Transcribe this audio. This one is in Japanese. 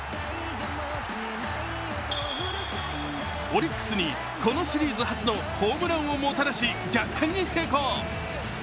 オリックスにこのシリーズ初のホームランをもたらし逆転に成功。